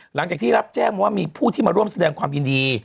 หลังจากที่รับแจ้งว่ามีผู้ที่มาร่วมแสดงความยินดี